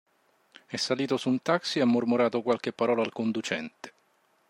È salito su un taxi e ha mormorato qualche parola al conducente.